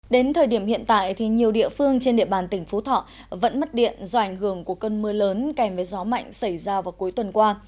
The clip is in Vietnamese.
đến thời điểm hiện tại thì nhiều địa phương trên địa bàn tỉnh phú thọ vẫn mất điện do ảnh hưởng của cơn mưa lớn kèm với gió mạnh xảy ra vào cuối tuần qua